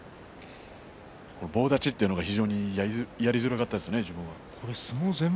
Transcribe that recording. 棒立ちというのがやりづらかったですね、自分は。